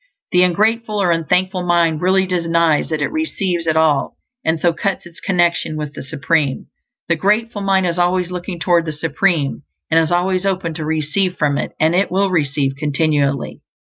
The ungrateful or unthankful mind really denies that it receives at all, and so cuts its connection with the Supreme. The grateful mind is always looking toward the Supreme, and is always open to receive from it; and it will receive continually.